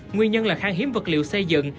nguyên nhân là khang hiếm vật liệu xây dựng